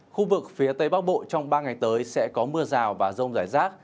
khu vực phía tây bắc bộ trong ba ngày tới sẽ có mưa rào và rông rải rác